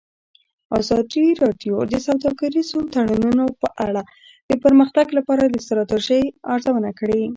ازادي راډیو د سوداګریز تړونونه په اړه د پرمختګ لپاره د ستراتیژۍ ارزونه کړې.